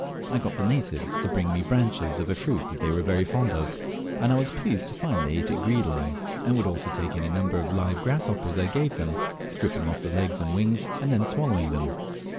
I got the natives to bring me branches of a fruit they were very fond of, and I was pleased to find they ate it greedily, and would also take any number of live grasshoppers I gave them, stripping off the legs and wings, and then swallowing them.